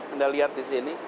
anda lihat disini